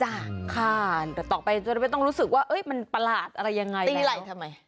ค่ะแต่ต่อไปจะไม่ต้องรู้สึกว่ามันประหลาดอะไรยังไงตีไหล่ทำไม